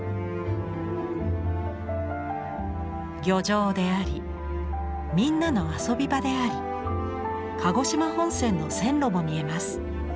漁場でありみんなの遊び場であり鹿児島本線の線路も見えます。